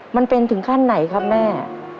มันเป็นถึงขั้นไหนครับแม่